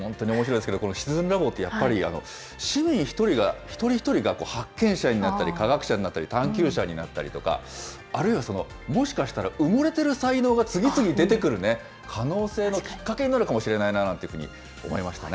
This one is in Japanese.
本当におもしろいですけど、このシチズンラボって、やっぱり市民一人一人が発見者になったり科学者になったり探求者になったりとか、あるいはもしかしたら埋もれてる才能が次々出てくるね、可能性のきっかけになるかもしれないななんて思いましたね。